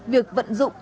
việc vận dụng